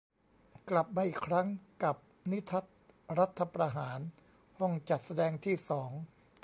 กลับมาอีกครั้งกับ 'นิทรรศรัฐประหาร' ห้องจัดแสดงที่สอง